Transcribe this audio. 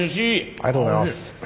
ありがとうございます。